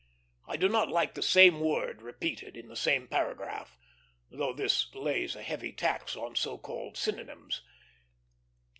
I do not like the same word repeated in the same paragraph, though this lays a heavy tax on so called synonymes.